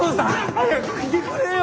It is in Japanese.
早く来てくれよ。